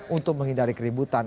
untuk menghindari keributan